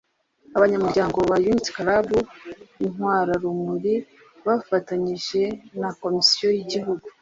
Abanyamuryango ba Unity club Intwararumuri bafatanyije na Komisiyo y Igihugu